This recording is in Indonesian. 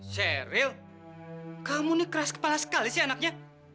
sheryl kamu ini keras kepala sekali sih anaknya